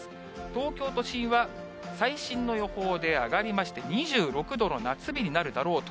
東京都心は最新の予報で上がりまして、２６度の夏日になるだろうと。